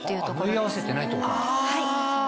縫い合わせてないってこと。